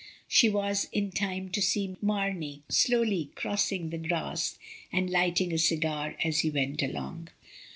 She was in time to see Mamey slowly crossing the grass and lighting a cigar as he went along.